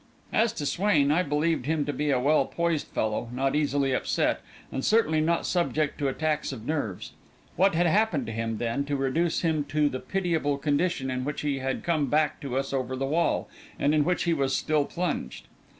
As to Swain, I believed him to be a well poised fellow, not easily upset, and certainly not subject to attacks of nerves. What had happened to him, then, to reduce him to the pitiable condition in which he had come back to us over the wall, and in which he was still plunged?